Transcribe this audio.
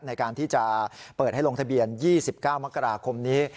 ในการที่จะเปิดให้ลงทะเบียน๒๙มกราคมนี้